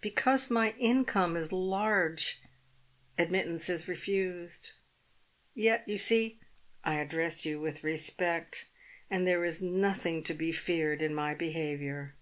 Because my income is large, admittance is refused. Yet you see I address you with respect, and there is nothing to be feared in my be haviour."